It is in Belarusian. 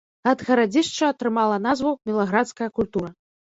Ад гарадзішча атрымала назву мілаградская культура.